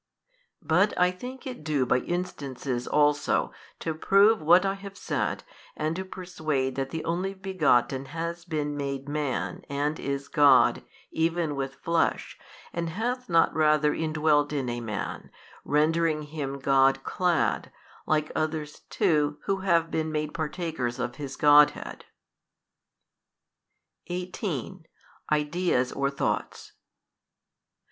But I think it due by instances also to prove what I have said and to persuade that the Only Begotten has been made Man and is God even with Flesh and hath not rather indwelt in a man, rendering him God clad, like others too who have been made partakers of His Godhead. 18. Ideas or thoughts 18.